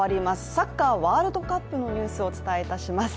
サッカーワールドカップの話をお伝えします。